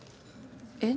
えっ？